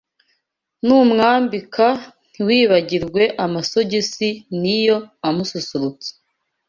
numwambika ntiwibagirwe amasogisi niyo amususurutsa